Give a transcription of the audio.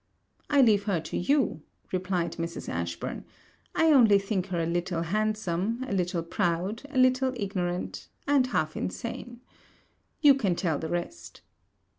'I leave her to you,' replied Mrs. Ashburn; 'I only think her a little handsome, a little proud, a little ignorant, and half insane. You can tell the rest.'